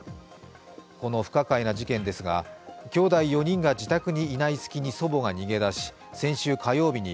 この不可解な事件ですが、きょうだい４人が自宅にいない隙に祖母が逃げだし先週火曜日に